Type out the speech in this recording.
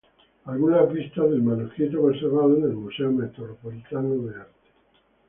Algunas vistas del manuscrito conservado en el Museo Metropolitano de Arte